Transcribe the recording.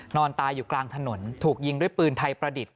นอนตายอยู่กลางถนนถูกยิงด้วยปืนไทยประดิษฐ